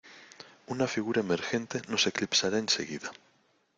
Una figura emergente nos eclipsará enseguida.